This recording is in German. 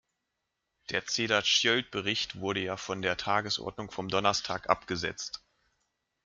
Der Cederschiöld-Bericht wurde ja von der Tagesordnung vom Donnerstag abgesetzt.